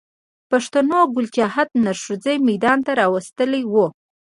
پښتنو ګل چاهت نر ښځی ميدان ته را وستلی و